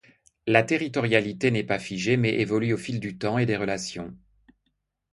La territorialité n’est pas figée, mais évolue au fil du temps et des relations.